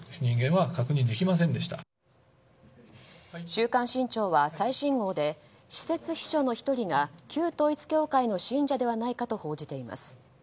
「週刊新潮」は最新号で私設秘書の１人が旧統一教会の信者ではないかと報じています。